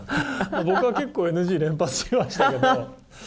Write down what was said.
僕は結構ＮＧ連発しましたけど。